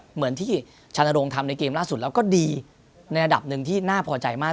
เหมือนที่ชานโรงทำในเกมล่าสุดแล้วก็ดีในระดับหนึ่งที่น่าพอใจมาก